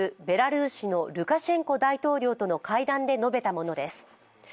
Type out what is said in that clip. ベラルーシのルカシェンコ大統領との会談で述べたものです。